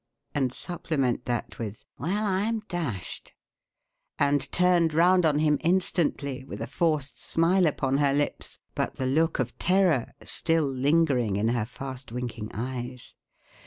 and supplement that with, "Well, I'm dashed!" and turned round on him instantly with a forced smile upon her lips but the look of terror still lingering in her fast winking eyes.